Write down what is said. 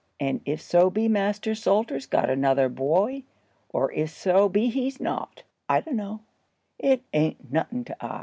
And if so be Master Salter's got another bwoy, or if so be he's not, I dunno, it ain't nothin' to I."